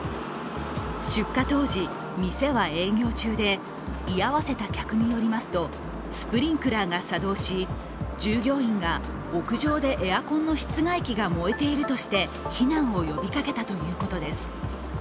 出火当時、店は営業中で居合わせた客によりますとスプリンクラーが作動し、従業員が屋上でエアコンの室外機が燃えているとして避難を呼びかけたということです。